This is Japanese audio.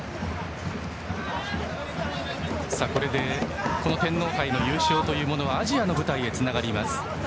これで、この天皇杯の優勝はアジアの舞台へとつながります。